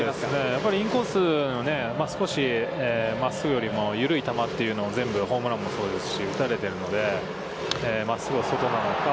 やっぱりインコース、少し真っすぐよりも緩い球というのを全部ホームランもそうですし、打たれてるので、真っすぐの外なのか。